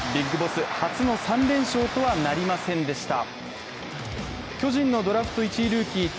ＢＩＧＢＯＳＳ、初の３連勝とはなりませんでした。